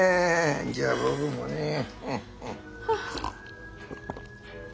じゃあ僕もねぇ。